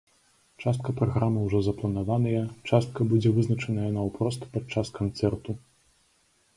Частка праграмы ўжо запланаваная, частка будзе вызначаная наўпрост падчас канцэрту.